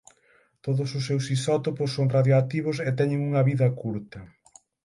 Todos os seus isótopos son radioactivos e teñen unha vida curta.